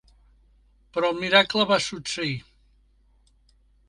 Però el miracle va succeir.